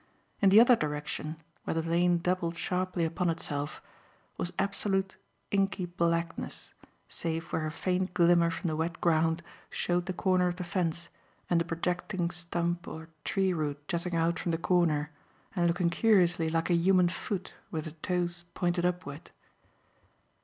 In the other direction, where the lane doubled sharply upon itself, was absolute, inky blackness, save where a faint glimmer from the wet ground showed the corner of the fence and a projecting stump or tree root jutting out from the corner and looking curiously like a human foot with the toes pointed upward.